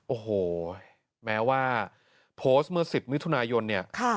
โอ้โหแม้ว่าโพสต์เมื่อ๑๐มิถุนายนเนี่ย